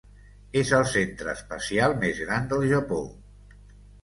És el centre espacial més gran del Japó.